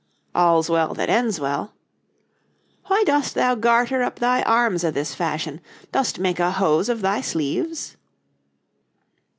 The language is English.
'All's Well that Ends Well': 'Why dost thou garter up thy arms o' this fashion? Dost make a hose of thy sleeves?'